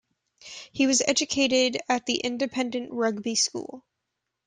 He was educated at the independent Rugby School.